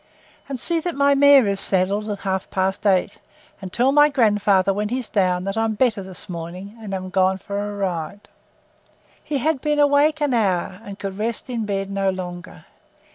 "And see that my mare is saddled at half past eight, and tell my grandfather when he's down that I'm better this morning and am gone for a ride." He had been awake an hour, and could rest in bed no longer.